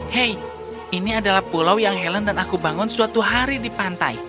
hei ini adalah pulau yang helen dan aku bangun suatu hari di pantai